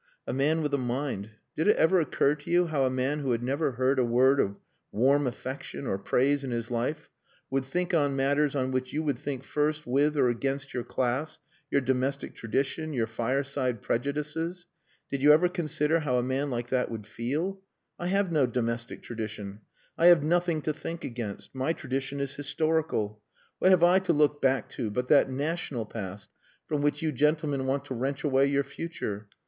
A man with a mind. Did it ever occur to you how a man who had never heard a word of warm affection or praise in his life would think on matters on which you would think first with or against your class, your domestic tradition your fireside prejudices?... Did you ever consider how a man like that would feel? I have no domestic tradition. I have nothing to think against. My tradition is historical. What have I to look back to but that national past from which you gentlemen want to wrench away your future?